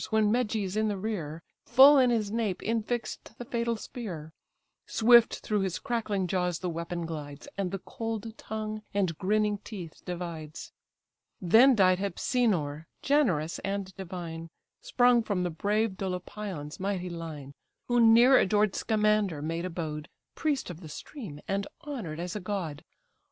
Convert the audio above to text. when Meges in the rear Full in his nape infix'd the fatal spear; Swift through his crackling jaws the weapon glides, And the cold tongue and grinning teeth divides. Then died Hypsenor, generous and divine, Sprung from the brave Dolopion's mighty line, Who near adored Scamander made abode, Priest of the stream, and honoured as a god.